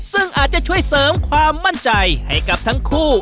ซึ่งอาจจะช่วยเสริมความมั่นใจให้กับทั้งคู่